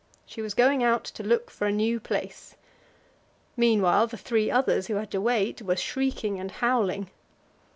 She was going out to look for a new place. Meanwhile, the three others, who had to wait, were shrieking and howling.